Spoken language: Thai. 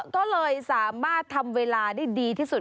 ก็เลยสามารถทำเวลาได้ดีที่สุด